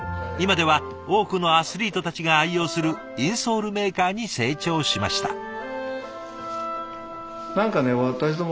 今では多くのアスリートたちが愛用するインソールメーカーに成長しました。